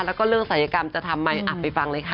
แล้วก็เรื่องศัยกรรมจะทำไมไปฟังเลยค่ะ